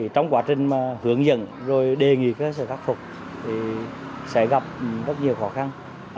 trong quá trình hướng dẫn đề nghị các cơ sở khắc phục sẽ gặp rất nhiều khó khăn